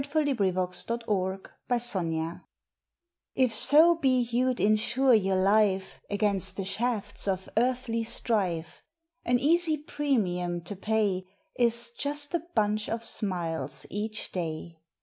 July Seventh INSURANCE TF so be you d insure your life Against the shafts of earthly strife, An easy premium to pay Is just a bunch of smiles each day.